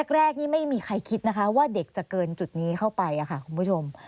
แรกนี่ไม่มีใครคิดนะคะว่าเด็กจะเกินจุดนี้เข้าไปค่ะคุณผู้ชม